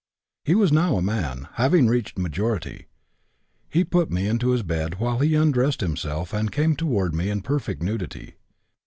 He was now a man, having reached majority. He put me into his bed while he undressed himself and came toward me in perfect nudity.